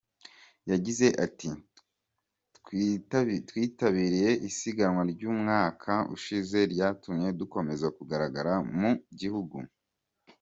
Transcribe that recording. Yagize ati “Twitabiriye isiganwa ry’umwaka ushize ryatumye dukomeza kugaragara mu gihugu.